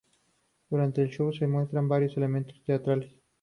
Durante el "show" se muestran varios elementos teatrales.